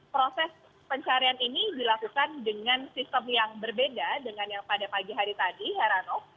proses pencarian ini dilakukan dengan sistem yang berbeda dengan yang pada pagi hari tadi heranov